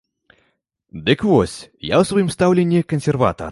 Дык вось, я ў сваім стаўленні кансерватар.